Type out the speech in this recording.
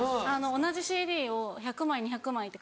同じＣＤを１００枚２００枚って。